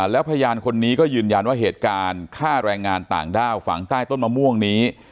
แล้วพยานคนนี้ก็ยืนยันว่าเหตุการณ์ฆ่าแรงงานต่างด้าวฝังใต้ต้นมะม่วงนี้